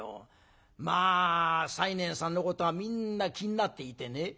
まあ西念さんのことがみんな気になっていてね。